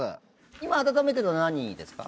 今温めてるの何ですか？